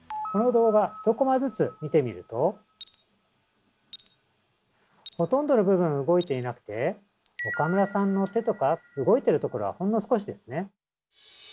この動画１コマずつ見てみるとほとんどの部分動いていなくて岡村さんの手とか動いてるところはほんの少しですね。